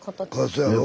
そやろ？